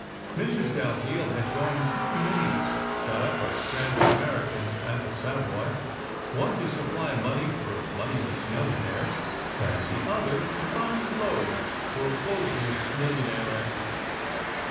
Mrs. Dalziel had joined two committees got up by stranded Americans at the Savoy: one to supply SECRET HISTORY 259 money for moneyless millionaires, and the other to find clothes for clotheless millionairesses.